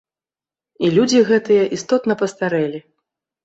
І людзі гэтыя істотна пастарэлі.